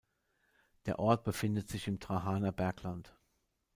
Der Ort befindet sich im Drahaner Bergland.